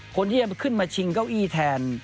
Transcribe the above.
คนที่จะขึ้นมาชิงเก้าอี้แทน